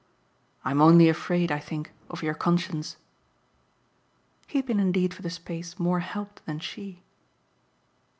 "I'm only afraid, I think, of your conscience." He had been indeed for the space more helped than she.